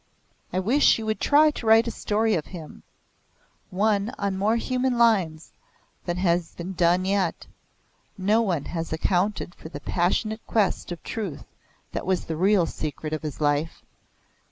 "I wish you would try to write a story of him one on more human lines than has been done yet. No one has accounted for the passionate quest of truth that was the real secret of his life.